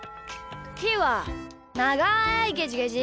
ひーはながいゲジゲジ。